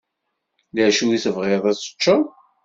D acu tebɣiḍ ad teččeḍ?